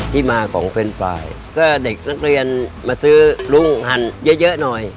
ที่มาของเฟนไฟก็เด็กนักเรียนมาซื้อรุ่งหันเยอะหน่อย